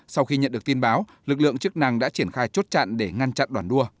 sau khi nhận được tin báo lực lượng chức năng đã triển khai chốt chặn để ngăn chặn đoàn đua